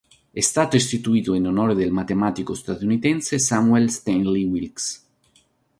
È stato istituito in onore del matematico statunitense Samuel Stanley Wilks.